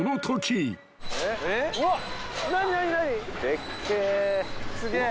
でっけえ。